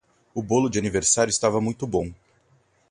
O bolo de aniversário estava muito bom.